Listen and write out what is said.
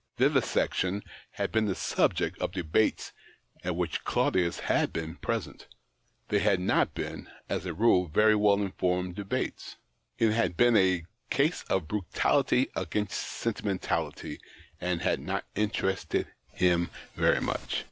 Vivisection had been the subject of debates at which Claudius had been present ; they had not been, as a rule, very well informed debates : it had been a case of brutality against sentimentality, and had not interested him very much.